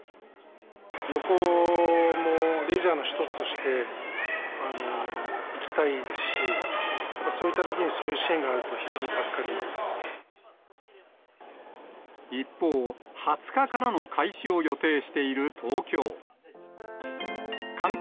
旅行もレジャーの一つとして行きたいですし、そういったときにそういう支援があると、非常に一方、２０日からの開始を予定している東京。